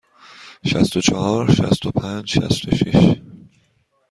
شصت و چهار، شصت و پنج، شصت و شش.